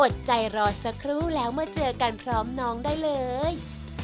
อดใจรอสักครู่แล้วมาเจอกันพร้อมน้องได้เลย